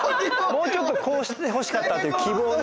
もうちょっとこうしてほしかったという希望ね。